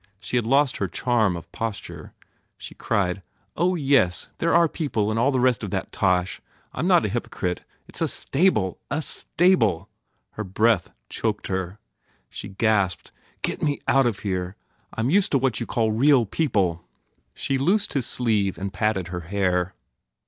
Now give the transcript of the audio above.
She had lost her charm of posture. She cried, "Oh, yes! They re our people and all the rest of that tosh! I m not a hypocrite. It s a stable! A stable!" Her breath choked her. 167 THE FAIR REWARDS She gasped, "Get me out of here! I m used to what you call real people !" She loosed his sleeve and patted her hair.